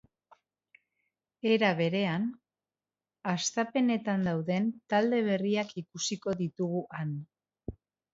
Era berean, hastapenetan dauden talde berriak ikusiko ditugu han.